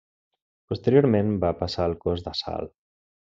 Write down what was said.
Posteriorment va passar al Cos d'Assalt.